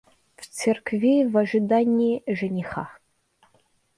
В церкви в ожидании жениха.